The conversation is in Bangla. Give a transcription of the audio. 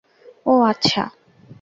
ওহ, আচ্ছা।